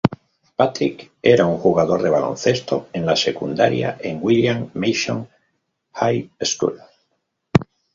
Patrick era un jugador de baloncesto en la secundaria en William Mason High School.